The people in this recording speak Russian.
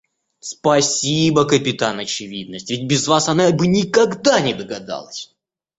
Спасибо, капитан очевидность, ведь без вас она бы никогда не догадалась!